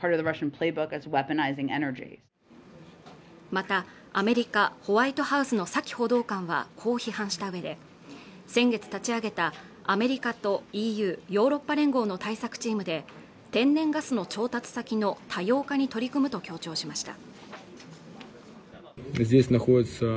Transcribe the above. またアメリカ・ホワイトハウスのサキ報道官はこう批判したうえで先月立ち上げたアメリカとＥＵヨーロッパ連合の対策チームで天然ガスの調達先の多様化に取り組むと強調しました